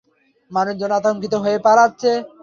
মানুষজন আতংকিত হয়ে পালাচ্ছে!